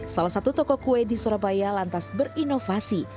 salah satu toko kue di surabaya lantas berinovasi